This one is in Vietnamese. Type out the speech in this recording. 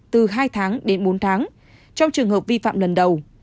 từ hai tháng đến bốn tháng trong trường hợp vi phạm lần đầu